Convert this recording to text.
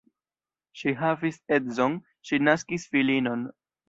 Ŝi havis edzon, ŝi naskis filinon.